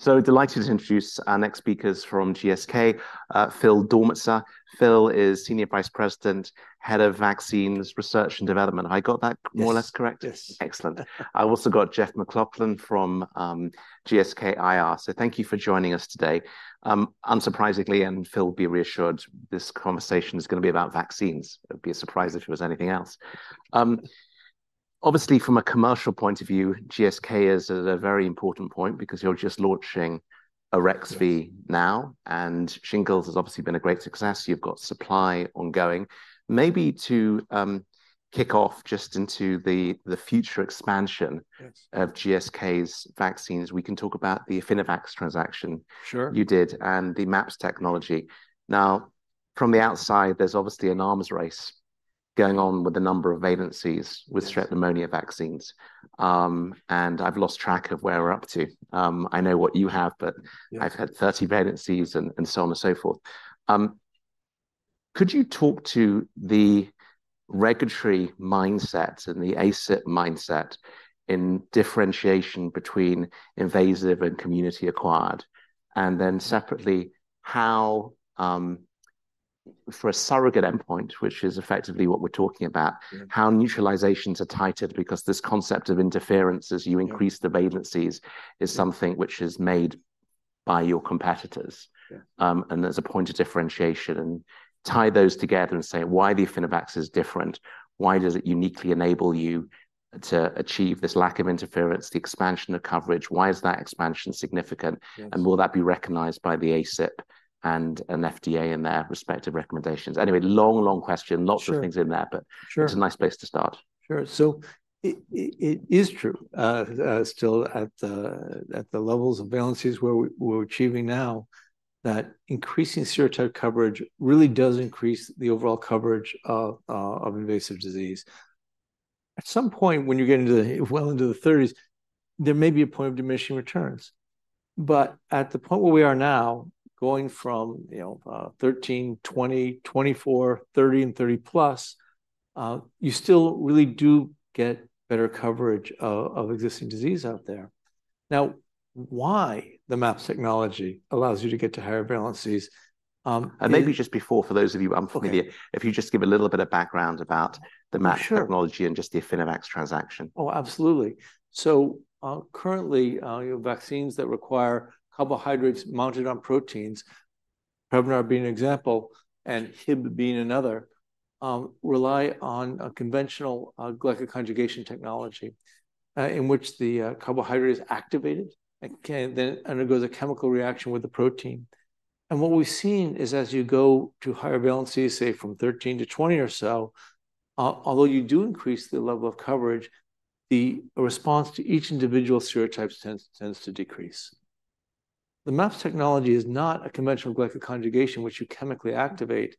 So delighted to introduce our next speakers from GSK, Phil Dormitzer. Phil is Senior Vice President, Head of Vaccines, Research and Development. Have I got that more or less correct? Yes, yes. Excellent. I've also got Jeff McLaughlin from GSK IR. So thank you for joining us today. Unsurprisingly, and Phil, be reassured, this conversation is going to be about vaccines. It'd be a surprise if it was anything else. Obviously, from a commercial point of view, GSK is at a very important point because you're just launching Arexvy now, and shingles has obviously been a great success. You've got supply ongoing. Maybe to kick off just into the future expansion- Yes -of GSK's vaccines, we can talk about the Affinivax transaction- Sure -you did, and the MAPS technology. Now, from the outside, there's obviously an arms race going on with the number of valencies- Yes -with Strep pneumonia vaccines. And I've lost track of where we're up to. I know what you have, but- Yeah -I've had 30 valencies and so on and so forth. Could you talk to the regulatory mindset and the ACIP mindset in differentiation between invasive and community acquired? And then separately, how for a surrogate endpoint, which is effectively what we're talking about- Mm-hmm... how neutralizations are titrated, because this concept of interference as you increase the valencies is something which is made by your competitors. Yeah. There's a point of differentiation. Tie those together and say why the Affinivax is different. Why does it uniquely enable you to achieve this lack of interference, the expansion of coverage? Why is that expansion significant? Yes. Will that be recognized by the ACIP and FDA in their respective recommendations? Anyway, long, long question. Sure. Lots of things in there, but- Sure... it's a nice place to start. Sure. So it is true, still, at the levels of valencies where we're achieving now, that increasing serotype coverage really does increase the overall coverage of invasive disease. At some point, when you get into well into the 30s, there may be a point of diminishing returns. But at the point where we are now, going from, you know, 13, 20, 24, 30, and 30+, you still really do get better coverage of existing disease out there. Now, why the MAPS technology allows you to get to higher valencies, Maybe just before, for those of you, unfortunately, if you just give a little bit of background about the MAPS technology- Sure and just the Affinivax transaction. Oh, absolutely. So, currently, you know, vaccines that require carbohydrates mounted on proteins, Prevnar being an example and Hib being another, rely on a conventional, glycoconjugation technology, in which the, carbohydrate is activated and can then undergoes a chemical reaction with the protein. And what we've seen is as you go to higher valencies, say, from 13 to 20 or so, although you do increase the level of coverage, the response to each individual serotypes tends to decrease. The MAPS technology is not a conventional glycoconjugation, which you chemically activate,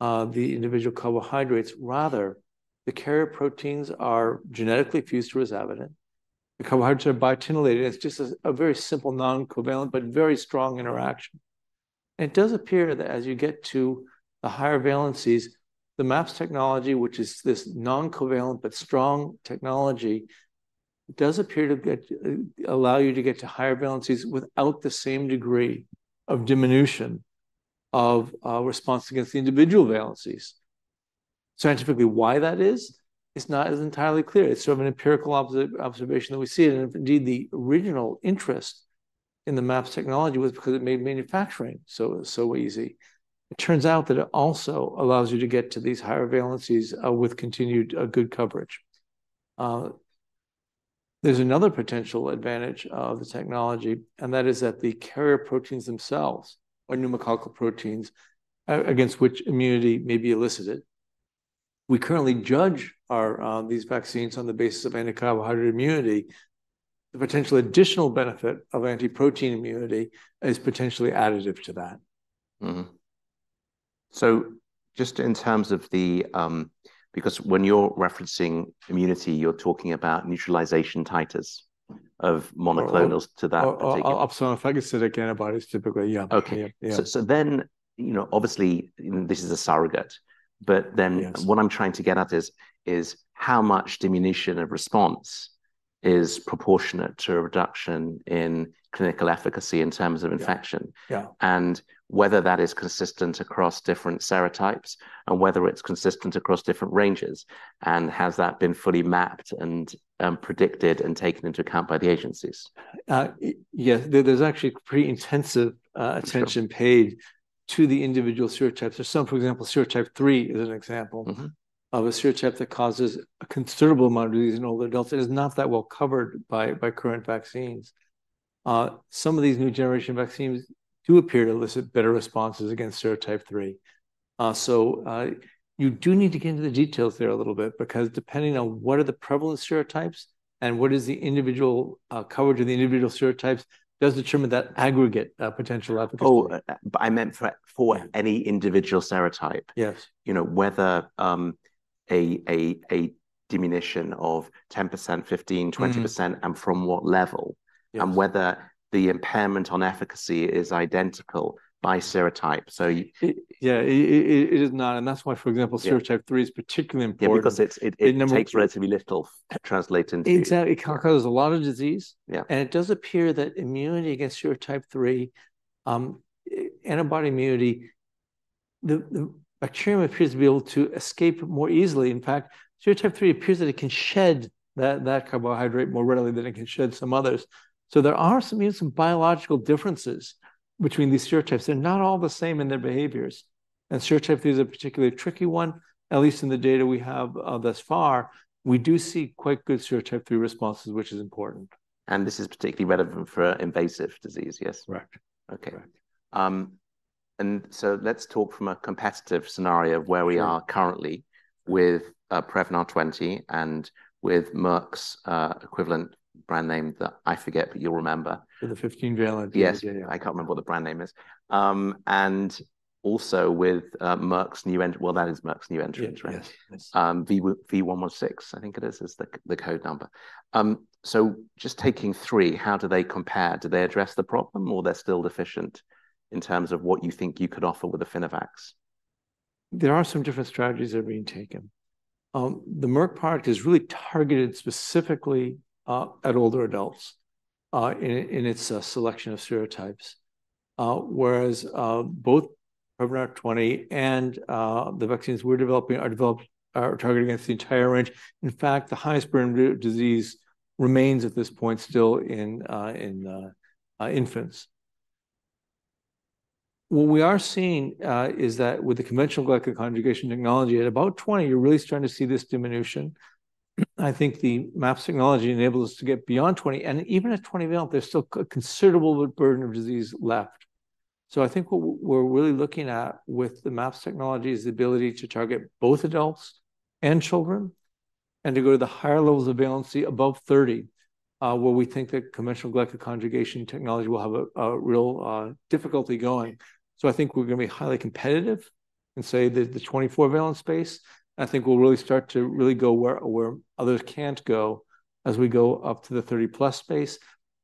the individual carbohydrates. Rather, the carrier proteins are genetically fused to rhizavidin, the carbohydrates are biotinylated. It's just a very simple non-covalent, but very strong interaction. It does appear that as you get to the higher valencies, the MAPS technology, which is this non-covalent but strong technology, does appear to get—allow you to get to higher valencies without the same degree of diminution of response against the individual valencies. Scientifically, why that is? It's not as entirely clear. It's sort of an empirical observation that we see it, and indeed, the original interest in the MAPS technology was because it made manufacturing so, so easy. It turns out that it also allows you to get to these higher valencies with continued good coverage. There's another potential advantage of the technology, and that is that the carrier proteins themselves are pneumococcal proteins against which immunity may be elicited. We currently judge our these vaccines on the basis of anti-carbohydrate immunity. The potential additional benefit of anti-protein immunity is potentially additive to that. Mm-hmm. So just in terms of the, because when you're referencing immunity, you're talking about neutralization titers of monoclonals to that particular- Opsonic phagocytic antibodies, typically, yeah. Okay. Yeah, yeah. So then, you know, obviously, this is a surrogate. Yeah. But then- Yes... what I'm trying to get at is, is how much diminution of response is proportionate to a reduction in clinical efficacy in terms of infection? Yeah, yeah. whether that is consistent across different serotypes, and whether it's consistent across different ranges, and has that been fully mapped and, predicted and taken into account by the agencies? Yes, there's actually pretty intensive attention. Sure -paid to the individual serotypes. There's some, for example, serotype 3 is an example- Mm-hmm of a serotype that causes a considerable amount of disease in older adults. It is not that well covered by, by current vaccines. Some of these new generation vaccines do appear to elicit better responses against serotype 3. So, you do need to get into the details there a little bit because depending on what are the prevalent serotypes and what is the individual coverage of the individual serotypes, does determine that aggregate potential efficacy. Oh, but I meant for, for any individual serotype. Yes. You know, whether a diminution of 10%, 15- Mm-hmm... 20%, and from what level? Yes. Whether the impairment on efficacy is identical by serotype. Yeah, it is not, and that's why, for example— Yeah... Serotype 3 is particularly important. Yeah, because it's. And number- takes relatively little to translate into Exactly. It causes a lot of disease. Yeah. It does appear that immunity against serotype three, the bacterium appears to be able to escape more easily. In fact, serotype three appears that it can shed that carbohydrate more readily than it can shed some others. So there are some biological differences between these serotypes. They're not all the same in their behaviors, and serotype three is a particularly tricky one. At least in the data we have thus far, we do see quite good serotype three responses, which is important. This is particularly relevant for invasive disease, yes? Correct. Okay. Correct. Let's talk from a competitive scenario of where we are- Sure... currently with Prevnar 20 and with Merck's equivalent brand name that I forget, but you'll remember. The 15 valency. Yes. Yeah, yeah. I can't remember what the brand name is. And also with Merck's new entrant. Well, that is Merck's new entrant, right? Yes, yes. V116, I think, is the code number. So just taking three, how do they compare? Do they address the problem, or they're still deficient in terms of what you think you could offer with Affinivax? There are some different strategies that are being taken. The Merck product is really targeted specifically at older adults in its selection of serotypes. Whereas, both Prevnar 20 and the vaccines we're developing are developed - are targeted against the entire range. In fact, the highest burden of disease remains, at this point, still in infants. What we are seeing is that with the conventional glycan conjugation technology, at about 20, you're really starting to see this diminution. I think the MAPS technology enables us to get beyond 20, and even at 20 valent, there's still a considerable burden of disease left. So I think what we're really looking at with the maps technology is the ability to target both adults and children, and to go to the higher levels of valency above 30, where we think that conventional glycan conjugation technology will have a real difficulty going. So I think we're gonna be highly competitive in, say, the 24 valency space, and I think we'll really start to really go where others can't go as we go up to the 30+ space,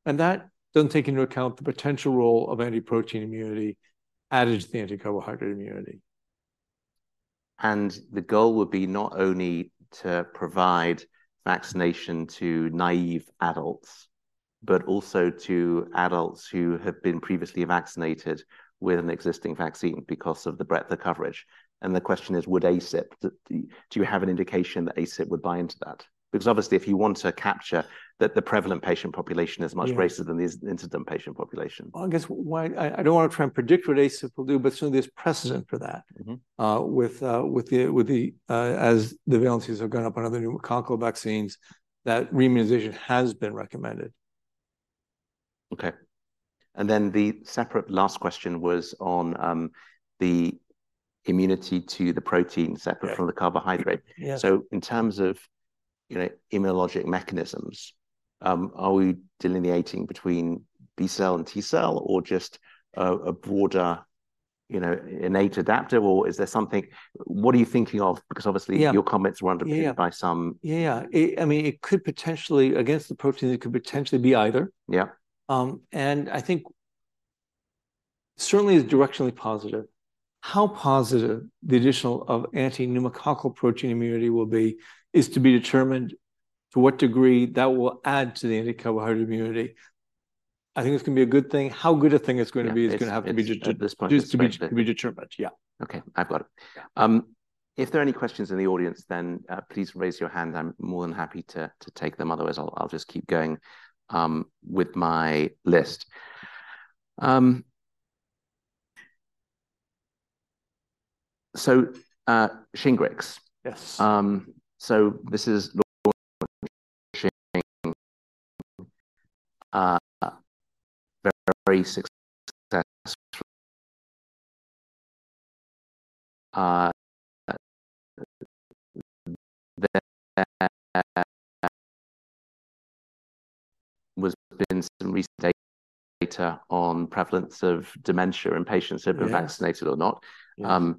and that doesn't take into account the potential role of anti-protein immunity added to the anti-carbohydrate immunity. The goal would be not only to provide vaccination to naive adults, but also to adults who have been previously vaccinated with an existing vaccine because of the breadth of coverage. The question is, do you have an indication that ACIP would buy into that? Because obviously, if you want to capture that the prevalent patient population- Yeah... is much greater than the incident patient population. Well, I guess I don't want to try and predict what ACIP will do, but certainly there's precedent for that. Mm-hmm. As the valencies have gone up on other pneumococcal vaccines, that re-immunization has been recommended. Okay. And then the separate last question was on, the immunity to the protein separate- Yeah... from the carbohydrate. Yeah. So in terms of, you know, immunologic mechanisms, are we delineating between B-cell and T-cell or just a broader, you know, innate adapter, or is there something? What are you thinking of? Because obviously- Yeah... your comments were underpinned- Yeah... by some- Yeah. I mean, it could potentially, against the protein, it could potentially be either. Yeah. and I think certainly is directionally positive. How positive the addition of anti-pneumococcal protein immunity will be is to be determined, to what degree that will add to the anti-carbohydrate immunity. I think it's gonna be a good thing. How good a thing it's gonna be- Yeah, it's-... is gonna have to be de- At this point, it's-... is to be, to be determined. Yeah. Okay, I've got it. Yeah. If there are any questions in the audience, then please raise your hand. I'm more than happy to take them. Otherwise, I'll just keep going with my list. So, Shingrix. Yes. So this is very successful, there was been some recent data on prevalence of dementia in patients- Yes... that were vaccinated or not. Yes.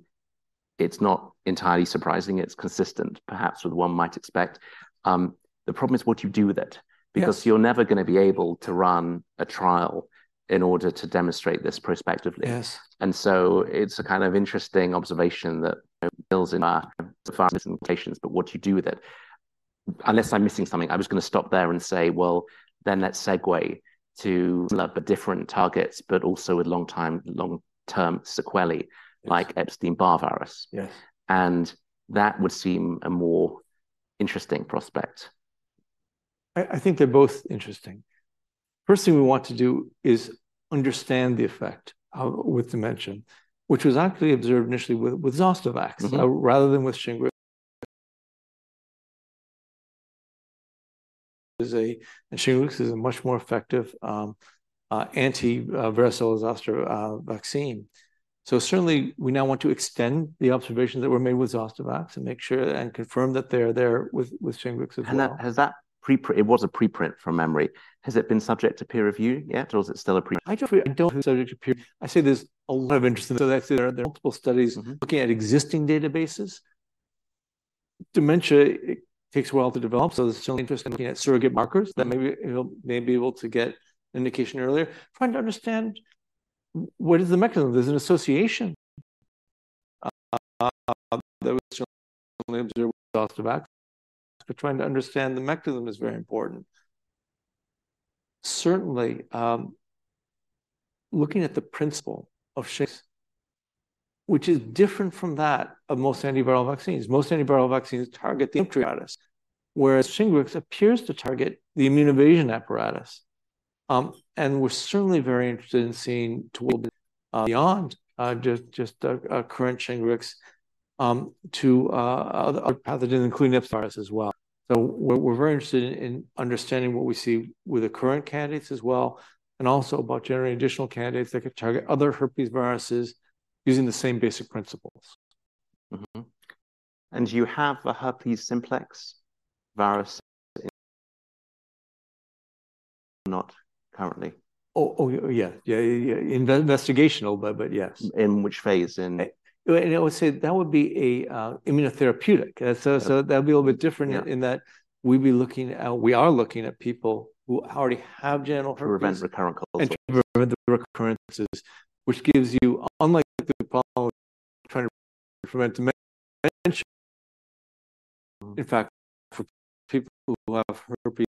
It's not entirely surprising. It's consistent, perhaps, with what one might expect. The problem is what you do with it- Yes... because you're never gonna be able to run a trial in order to demonstrate this prospectively. Yes. So it's a kind of interesting observation that builds in our limitations, but what do you do with it? Unless I'm missing something, I'm just gonna stop there and say: Well, then let's segue to look at different targets, but also with long time, long-term sequelae, like Epstein-Barr virus. Yes. That would seem a more interesting prospect. I think they're both interesting. First thing we want to do is understand the effect with dementia, which was actually observed initially with Zostavax- Mm-hmm... rather than with Shingrix. And Shingrix is a much more effective antiviral zoster vaccine. So certainly, we now want to extend the observations that were made with Zostavax and make sure and confirm that they're there with Shingrix as well. And has that. It was a preprint from memory. Has it been subject to peer review yet, or is it still a preprint? I don't think it's subject to peer... I say there's a lot of interest in it, so that's there. There are multiple studies- Mm-hmm... looking at existing databases. Dementia, it takes a while to develop, so there's certainly interest in looking at surrogate markers that maybe, you know, may be able to get indication earlier. Trying to understand what is the mechanism? There's an association that was observed with Zostavax, but trying to understand the mechanism is very important. Certainly looking at the principle of Shingrix, which is different from that of most antiviral vaccines. Most antiviral vaccines target the entry apparatus, whereas Shingrix appears to target the immune evasion apparatus. And we're certainly very interested in seeing tools beyond just current Shingrix to other pathogen, including Epstein-Barr virus as well. So we're very interested in understanding what we see with the current candidates as well, and also about generating additional candidates that could target other herpes viruses using the same basic principles. Mm-hmm. And do you have a Herpes simplex virus? Not currently. Oh, oh, yeah, yeah, yeah, in the investigational, but, but yes. In which phase in- And I would say that would be a immunotherapeutic. Yeah. So that'd be a little bit different- Yeah... in that we are looking at people who already have genital herpes. To prevent the recurrent cold sore. To prevent the recurrences, which gives you, unlike the, trying to prevent, in fact, for people who have herpes,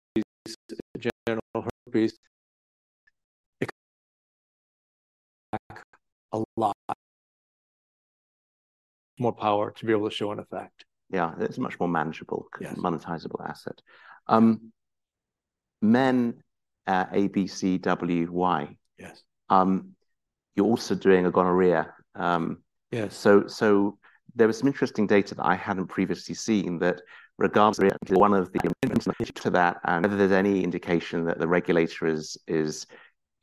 genital herpes, a lot more power to be able to show an effect. Yeah, it's much more manageable- Yes... monetizable asset. MenABCWY. Yes. You're also doing a gonorrhea. Yes. So, there was some interesting data that I hadn't previously seen that regards one of the two that, and whether there's any indication that the regulator is, you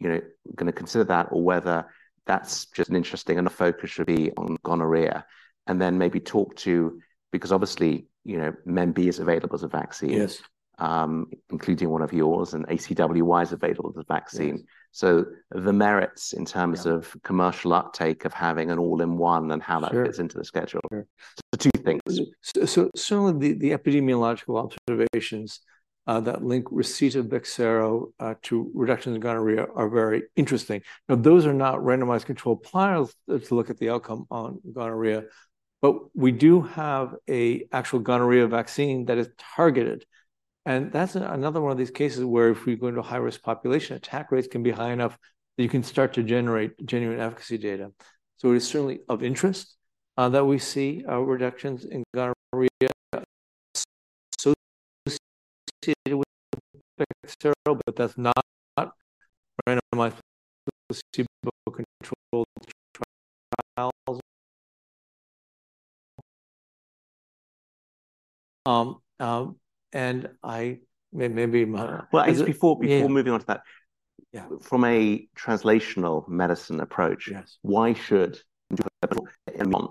know, gonna consider that, or whether that's just an interesting, and the focus should be on gonorrhea. And then maybe talk to-- because obviously, you know, MenB is available as a vaccine- Yes... including one of yours, and ACWY is available as a vaccine. Yes. So the merits in terms of- Yeah... commercial uptake, of having an all-in-one, and how that- Sure... fits into the schedule. Sure. Two things. So some of the epidemiological observations that link receipt of Bexsero to reductions in gonorrhea are very interesting. Now, those are not randomized controlled trials to look at the outcome on gonorrhea, but we do have an actual gonorrhea vaccine that is targeted. And that's another one of these cases where if we go into a high-risk population, attack rates can be high enough that you can start to generate genuine efficacy data. So it is certainly of interest that we see reductions in gonorrhea associated with Bexsero, but that's not randomized placebo-controlled trials. And maybe my- Well, just before- Yeah... before moving on to that. Yeah. From a translational medicine approach- Yes... why should in mind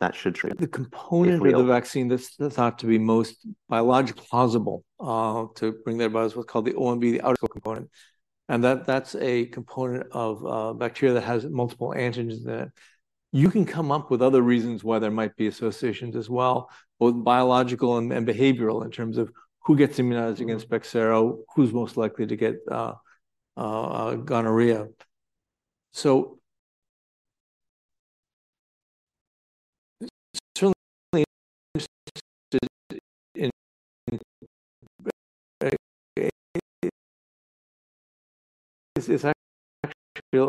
that should trigger? The component- If we-... of the vaccine that's thought to be most biologically plausible to bring that about is what's called the OMV, the outer component. And that, that's a component of bacteria that has multiple antigens in it. You can come up with other reasons why there might be associations as well, both biological and behavioral, in terms of who gets immunized against Bexsero, who's most likely to get gonorrhea. So certainly interested in this is actually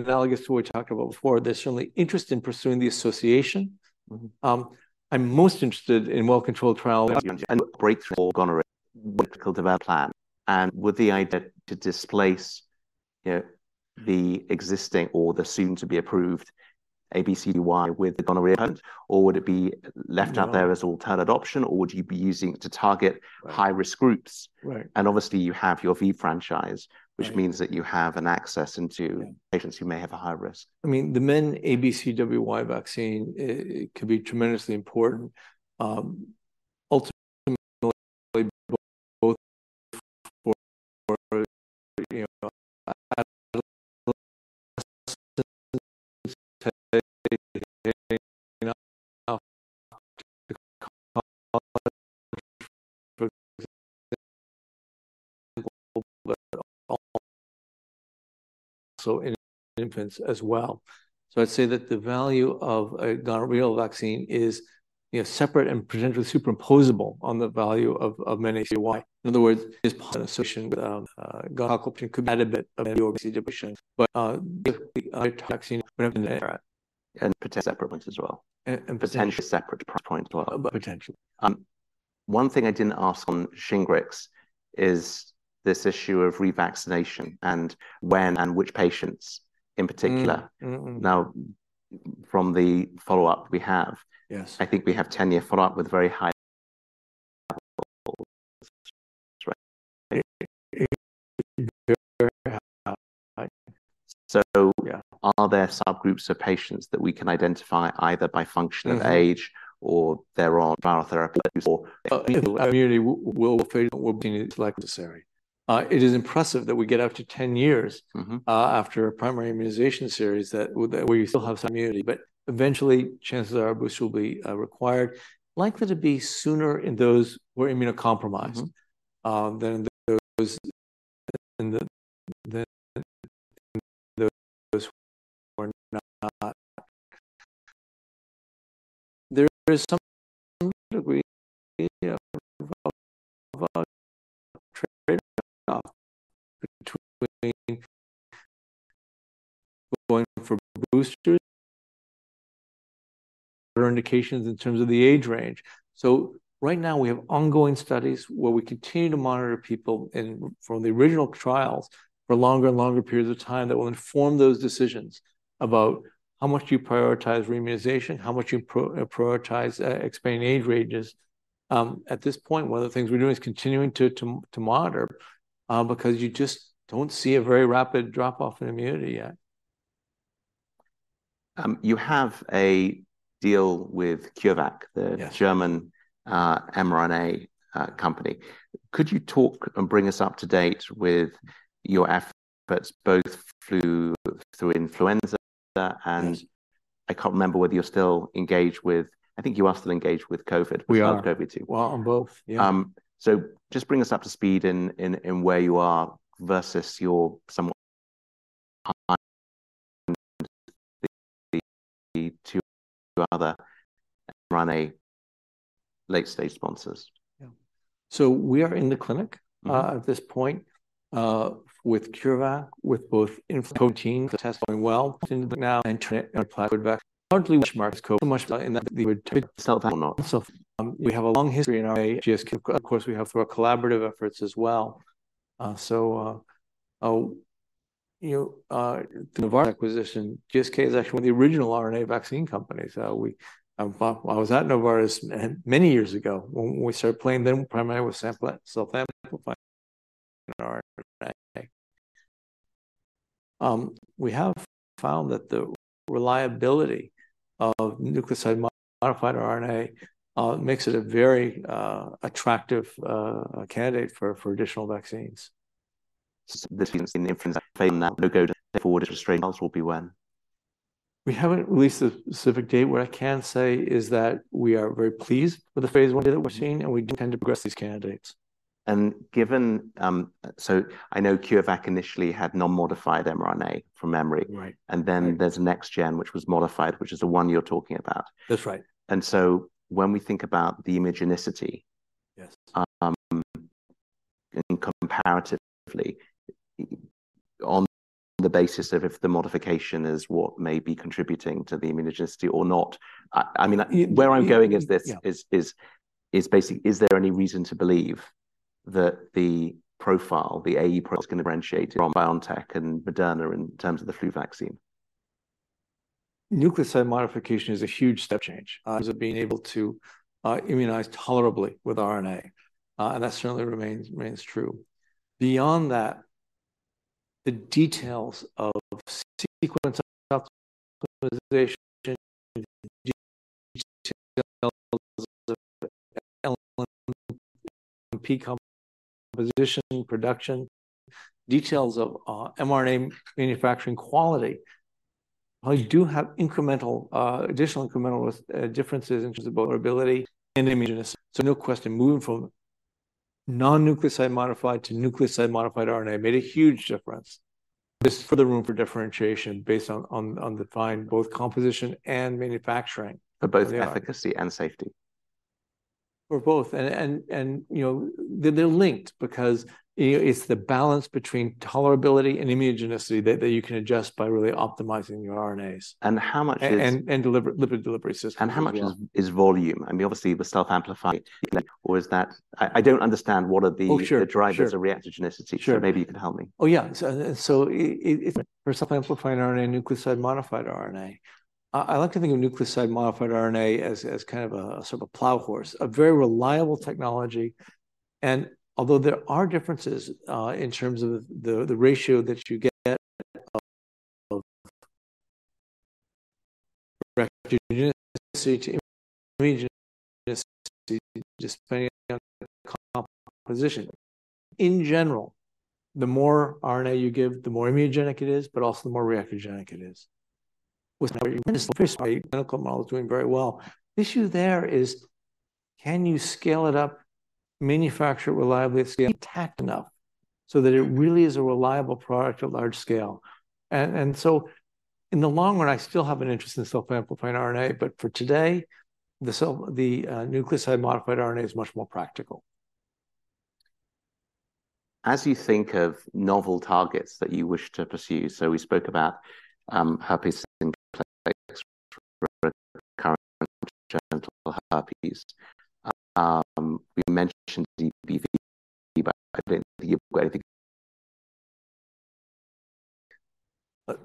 analogous to what we talked about before. There's certainly interest in pursuing the association. Mm-hmm. I'm most interested in well-controlled trials- Breakthrough gonorrhea, what development plan, and with the idea to displace, you know, the existing or the soon-to-be-approved MenABCWY with the gonorrhea component, or would it be left out there? No... as alternate option, or would you be using it to target- Right... high-risk groups? Right. Obviously, you have your V franchise- Right... which means that you have an access into- Yeah... patients who may have a high risk. I mean, the MenABCWY vaccine, it could be tremendously important, ultimately, both for, you know, but also in infants as well. So I'd say that the value of a gonorrhea vaccine is, you know, separate and potentially superimposable on the value of, of MenACWY. In other words, this association with, could be added, but, vaccine. And potential separate points as well. And, and- Potentially separate point as well. Potentially. One thing I didn't ask on Shingrix is this issue of revaccination and when and which patients in particular. Mm, mm. Now, from the follow-up we have- Yes... I think we have 10-year follow-up with very high, right? Yeah. So- Yeah... are there subgroups of patients that we can identify, either by function of age- Mm-hmm... or there are viral therapy before? Immunity will be necessary. It is impressive that we get up to 10 years- Mm-hmm... after a primary immunization series, that we still have some immunity, but eventually, chances are, a boost will be required. Likely to be sooner in those who are immunocompromised- Mm-hmm... than in those who are not. There is some degree of trade-off between going for boosters or indications in terms of the age range. So right now, we have ongoing studies where we continue to monitor people and from the original trials for longer and longer periods of time, that will inform those decisions about how much do you prioritize re-immunization, how much you prioritize expanding age ranges. At this point, one of the things we're doing is continuing to monitor, because you just don't see a very rapid drop-off in immunity yet. You have a deal with CureVac- Yes - the German mRNA company. Could you talk and bring us up to date with your efforts, both through influenza and- Yeah... I can't remember whether you're still engaged with-- I think you are still engaged with COVID. We are. With COVID too. Well, on both. Yeah. So just bring us up to speed in where you are versus your somewhat two other mRNA late-stage sponsors. Yeah. So we are in the clinic- Mm At this point, with CureVac, with both influenza teams. The test is going well now, and trying to apply it back. Currently, which marks COVID much in that they would take self-out or not. So, we have a long history in our GSK. Of course, we have through our collaborative efforts as well. So, you know, the Novartis acquisition, GSK is actually one of the original RNA vaccine companies. Well, I was at Novartis many years ago when we started playing then primarily with self-amplifying RNA. We have found that the reliability of nucleoside-modified RNA makes it a very attractive candidate for additional vaccines. We can see this in the influence playing now, but go to forward restraint, else will be when? We haven't released a specific date. What I can say is that we are very pleased with the phase I data that we're seeing, and we do intend to progress these candidates. And given... So I know CureVac initially had non-modified mRNA from memory. Right. And then there's Next Gen, which was modified, which is the one you're talking about. That's right. And so when we think about the immunogenicity- Yes... and comparatively, on the basis of if the modification is what may be contributing to the immunogenicity or not, I mean, where I'm going is this- Yeah... is basically, is there any reason to believe that the profile, the AE profile, is gonna differentiate from BioNTech and Moderna in terms of the flu vaccine? Nucleoside modification is a huge step change- Mm As of being able to immunize tolerably with RNA, and that certainly remains true. Beyond that, the details of sequence optimization, composition, production, details of mRNA manufacturing quality. Well, you do have incremental, additional incremental, differences in terms of tolerability and immunogenicity. So no question, moving from non-nucleoside-modified to nucleoside-modified RNA made a huge difference. This is further room for differentiation based on the fine, both composition and manufacturing. Yeah. For both efficacy and safety? For both. And, you know, they're linked because, you know, it's the balance between tolerability and immunogenicity that you can adjust by really optimizing your RNAs. And how much is- deliver lipid delivery systems. How much is volume? I mean, obviously, the self-amplifying, or is that... I don't understand what are the- Oh, sure, sure. -the drivers of reactogenicity. Sure. Maybe you can help me. Oh, yeah. So, for self-amplifying RNA, nucleoside-modified RNA, I like to think of nucleoside-modified RNA as kind of a, sort of a plow horse, a very reliable technology. And although there are differences in terms of the ratio that you get of reactogenicity to immunogenicity, just depending on composition. In general, the more RNA you give, the more immunogenic it is, but also the more reactogenic it is. With our clinical model is doing very well. The issue there is, can you scale it up, manufacture it reliably, stay intact enough so that it really is a reliable product at large scale? And so in the long run, I still have an interest in self-amplifying RNA, but for today, the nucleoside-modified RNA is much more practical. As you think of novel targets that you wish to pursue, so we spoke about, herpes simplex, current genital herpes. We mentioned EBV, but I don't think you've anything-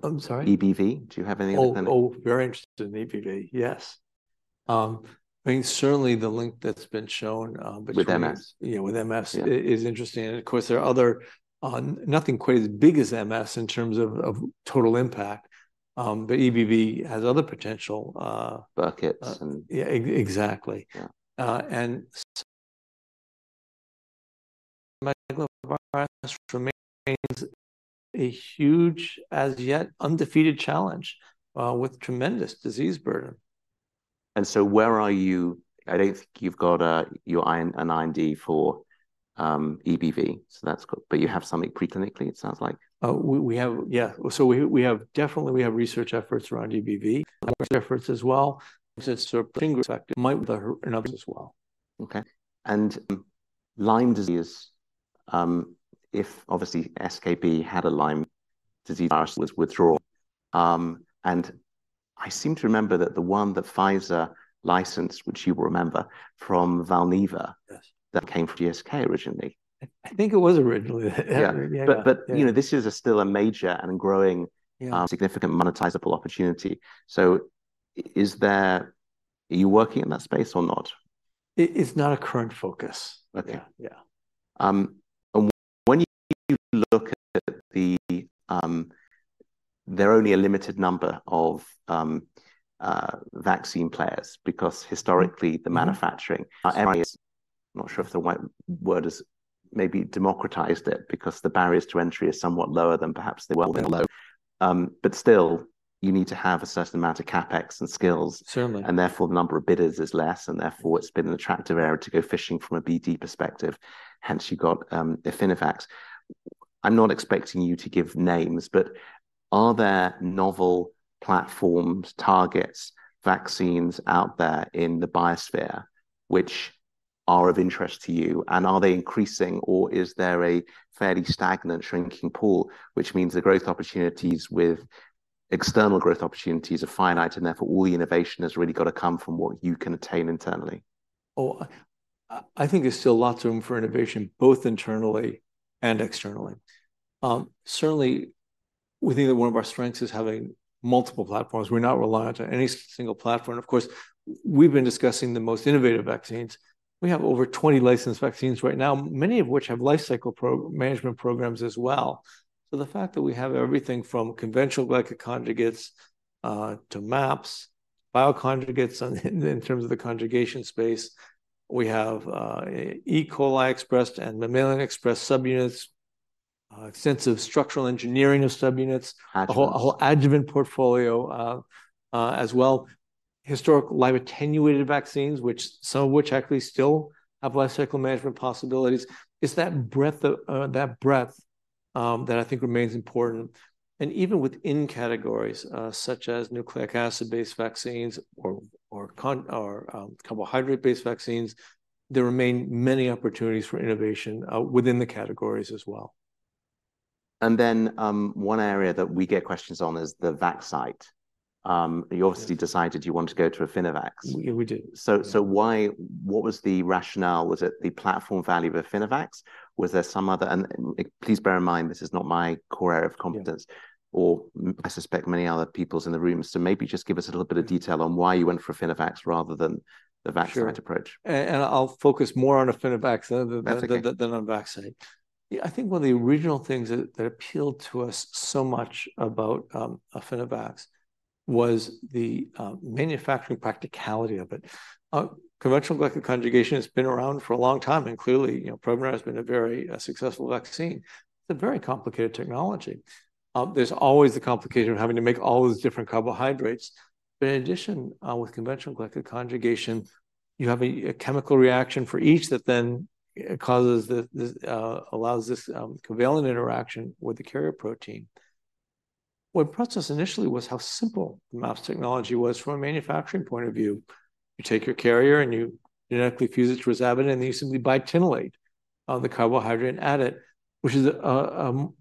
I'm sorry? EBV, do you have anything on that? Oh, oh, very interested in EBV. Yes. I mean, certainly the link that's been shown, between- With MS. Yeah, with MS- Yeah - is interesting. Of course, there are other, nothing quite as big as MS in terms of, of total impact, but EBV has other potential. Buckets and- Yeah, exactly. Yeah. Cytomegalovirus remains a huge, as yet undefeated challenge, with tremendous disease burden. And so where are you? I don't think you've got an IND for EBV. So that's good. But you have something preclinically, it sounds like? We have, yeah. We have definitely, we have research efforts around EBV efforts as well, since finger effect might in others as well. Okay. And Lyme disease, if obviously, GSK had a Lyme disease withdrawal, and I seem to remember that the one that Pfizer licensed, which you will remember from Valneva- Yes. - that came from GSK originally. I think it was originally. Yeah. Yeah. But you know, this is still a major and growing- Yeah significant monetizable opportunity. So, is there are you working in that space or not? It is not a current focus. Okay. Yeah. Yeah. And when you look at the, there are only a limited number of vaccine players, because historically, the manufacturing, I'm not sure if the right word is, maybe democratized it, because the barriers to entry are somewhat lower than perhaps they were before. Low. But still, you need to have a certain amount of CapEx and skills. Certainly. And therefore, the number of bidders is less, and therefore, it's been an attractive area to go fishing from a BD perspective. Hence, you got Affinivax. I'm not expecting you to give names, but are there novel platforms, targets, vaccines out there in the biosphere which are of interest to you? And are they increasing, or is there a fairly stagnant, shrinking pool, which means the growth opportunities with external growth opportunities are finite, and therefore, all the innovation has really got to come from what you can attain internally? I think there's still lots of room for innovation, both internally and externally. Certainly, we think that one of our strengths is having multiple platforms. We're not reliant on any single platform. Of course, we've been discussing the most innovative vaccines. We have over 20 licensed vaccines right now, many of which have life cycle management programs as well. So the fact that we have everything from conventional glycoconjugates to MAPS bioconjugates in terms of the conjugation space, we have E. coli expressed and mammalian expressed subunits, extensive structural engineering of subunits- Adjuvants.... a whole adjuvant portfolio, as well, historical live attenuated vaccines, which some of which actually still have life cycle management possibilities. It's that breadth of that breadth that I think remains important. And even within categories, such as nucleic acid-based vaccines or carbohydrate-based vaccines, there remain many opportunities for innovation within the categories as well. One area that we get questions on is the Vaxcite. You obviously decided you want to go to Affinivax. Yeah, we did. So, why—what was the rationale? Was it the platform value of Affinivax? Was there some other—and please bear in mind, this is not my core area of competence- Yeah... or I suspect many other peoples in the room. So maybe just give us a little bit of detail on why you went for Affinivax rather than the Vaxcite approach. Sure. And I'll focus more on Affinivax than on Vaxcite. I think one of the original things that appealed to us so much about Affinivax was the manufacturing practicality of it. Conventional glycan conjugation has been around for a long time, and clearly, you know, Prevnar has been a very successful vaccine. It's a very complicated technology. There's always the complication of having to make all these different carbohydrates. But in addition, with conventional glycan conjugation, you have a chemical reaction for each that then allows this covalent interaction with the carrier protein. What impressed us initially was how simple the MAPS technology was from a manufacturing point of view. You take your carrier, and you genetically fuse it to rhizavidin, and then you simply biotinylate the carbohydrate and add it, which is then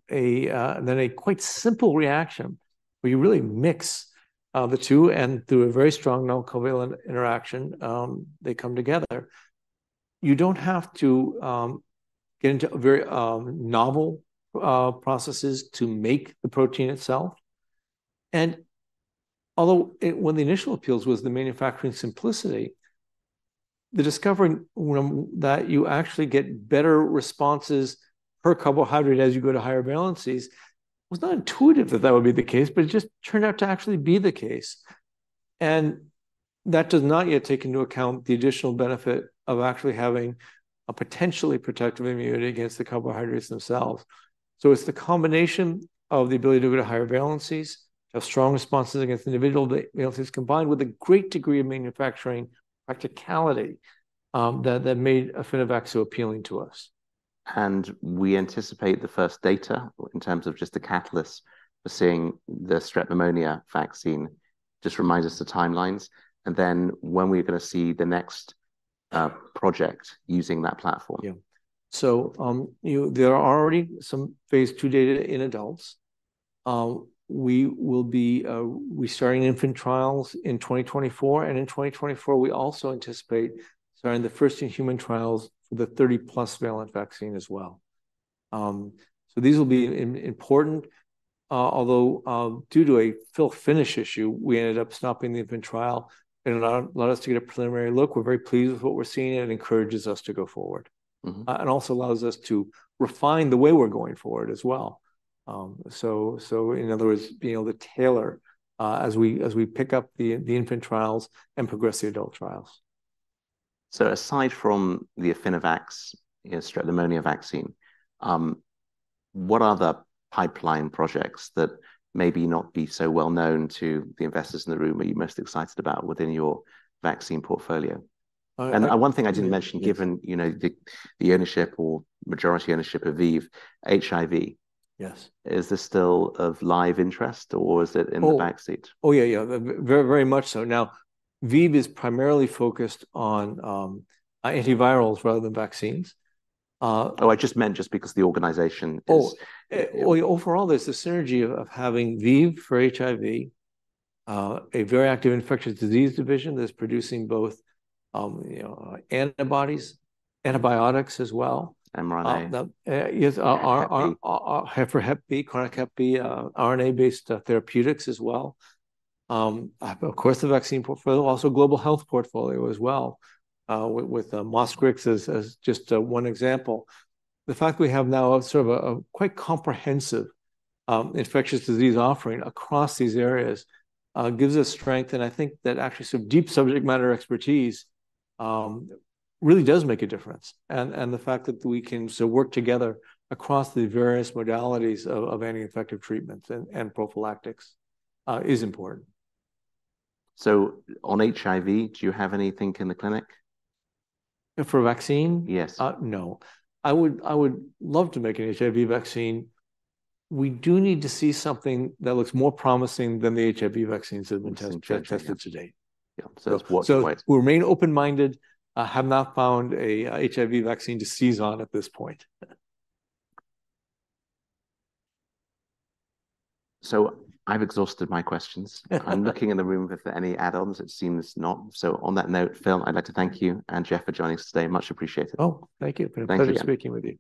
a quite simple reaction, where you really mix the two, and through a very strong non-covalent interaction, they come together. You don't have to get into a very novel processes to make the protein itself. And although it, one of the initial appeals was the manufacturing simplicity, the discovering that you actually get better responses per carbohydrate as you go to higher valencies, was not intuitive that that would be the case, but it just turned out to actually be the case. And that does not yet take into account the additional benefit of actually having a potentially protective immunity against the carbohydrates themselves. So it's the combination of the ability to go to higher valencies, have strong responses against individual valencies, combined with a great degree of manufacturing practicality, that made Affinivax so appealing to us. We anticipate the first data in terms of just the catalyst for seeing the strep pneumonia vaccine. Just remind us the timelines, and then when we're going to see the next project using that platform. Yeah. So, there are already some phase II data in adults. We will be, we're starting infant trials in 2024, and in 2024, we also anticipate starting the first in-human trials for the 30+-valent vaccine as well. So these will be important, although due to a fill finish issue, we ended up stopping the infant trial, and it allowed us to get a preliminary look. We're very pleased with what we're seeing, and it encourages us to go forward. Mm-hmm. And also allows us to refine the way we're going forward as well. So in other words, being able to tailor as we pick up the infant trials and progress the adult trials. Aside from the Affinivax, you know, strep pneumonia vaccine, what other pipeline projects that maybe not be so well known to the investors in the room are you most excited about within your vaccine portfolio? I, I- One thing I didn't mention, given, you know, the ownership or majority ownership of ViiV, HIV. Yes. Is this still of live interest, or is it in the backseat? Oh, yeah, yeah. Very, very much so. Now, ViiV is primarily focused on antivirals rather than vaccines. Oh, I just meant just because the organization is- Oh, well, overall, there's a synergy of having ViiV for HIV, a very active infectious disease division that's producing both, you know, antibodies, antibiotics as well. mRNAs. Yes, our... Hep B. for hep B, chronic hep B, RNA-based therapeutics as well. Of course, the vaccine portfolio, also global health portfolio as well, with Mosquirix as just one example. The fact we have now sort of a quite comprehensive infectious disease offering across these areas gives us strength, and I think that actually some deep subject matter expertise really does make a difference. And the fact that we can so work together across the various modalities of anti-infective treatments and prophylactics is important. On HIV, do you have anything in the clinic? For a vaccine? Yes. No. I would, I would love to make an HIV vaccine. We do need to see something that looks more promising than the HIV vaccines that have been te tested to date. Yeah, so at what point? So we remain open-minded, have not found a HIV vaccine to seize on at this point. I've exhausted my questions. I'm looking in the room if there are any add-ons. It seems not. So on that note, Phil, I'd like to thank you and Jeff for joining us today. Much appreciated. Oh, thank you. Pleasure. Pleasure speaking with you.